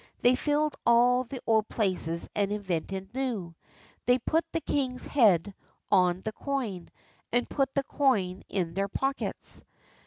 They filled all the old places and invented new. They put the king's head on the coin, and put the coin in their pockets.